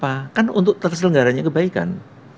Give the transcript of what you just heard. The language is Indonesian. apa kan untuk terselenggaranya kebaikan